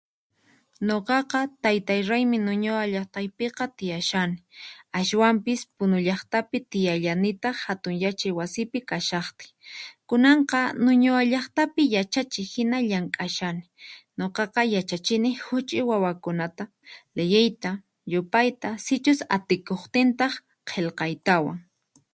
Nuqaqa taytayraymi Nuñoa llaqtaypiqa tiyashani, aswampis Punu llaqtapi tiyallanitaq hatun yachay wasipi kashaqtiy. Kunanqa Nuñoa llaqtapi yachachiq hina llamk'ashani, nuqaqa yachachini huch'uy wawakunata liyiyta, yupayta sichus atikuqtintaq qillqaytawan.